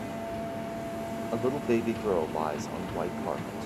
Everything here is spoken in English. a little baby girl lies on a white carpet.